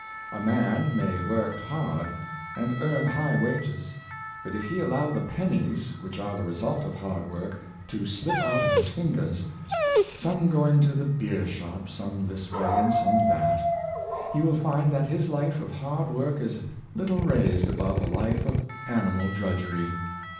A man may work hard, and earn high wages; but if he allow the pennies, which are the result of hard work, to slip out of his fingers — some going to the beer shop, some this way, and some that — he will find that The Thrifty Woman, 443 his life of hard work is Httle raised above a life of ani mal drudgery.